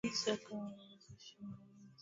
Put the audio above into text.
Waziri alitembelea wagonjwa